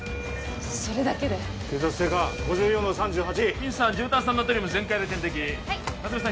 それだけで血圧低下５４の３８ミンさん重炭酸ナトリウム全開で点滴はい夏梅さん